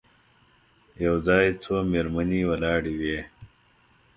یو ځای څو مېرمنې ولاړې وې.